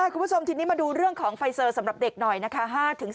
คุณผู้ชมทีนี้มาดูเรื่องของไฟเซอร์สำหรับเด็กหน่อยนะคะ